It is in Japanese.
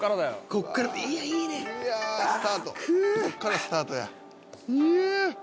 ここからスタートや」